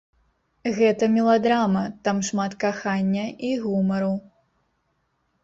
Гэта меладрама, там шмат кахання і гумару.